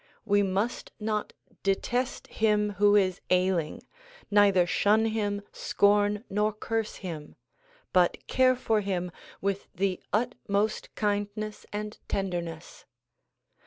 We must not detest him who is ailing, neither shun him, scorn nor curse him; but care for him with the utmost kindness and tenderness.